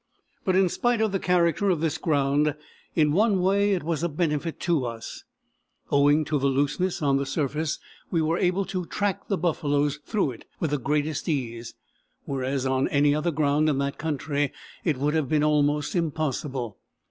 But in spite of the character of this ground, in one way it was a benefit to us. Owing to its looseness on the surface we were able to track the buffaloes through it with the greatest ease, whereas on any other ground in that country it would have been almost impossible.